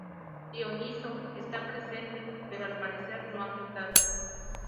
Dioniso está presente, pero al parecer no afectado.